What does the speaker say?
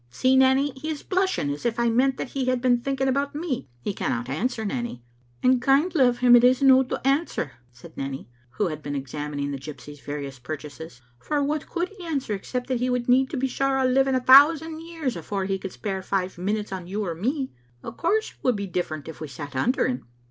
See, Nanny, he is blushing as if I meant that he had been thinking about me. He cannot answer, Nanny : we have found him out. " "And kindly of him it is no to answer," said Nanny, who had been examining the gypsy's various purchases; " for what could he answer, except that he would need to be sure o' living a thousand years afore he could spare five minutes on you or me? Of course it would be different if we sat under him."